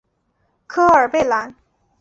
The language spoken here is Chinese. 科尔贝兰。